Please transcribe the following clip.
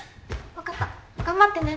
わかった頑張ってね。